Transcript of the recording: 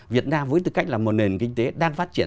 việt nam với tư cách là một nền kinh tế đang phát triển